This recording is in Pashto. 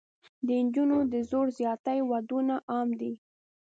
د نجونو د زور زیاتي ودونه عام دي.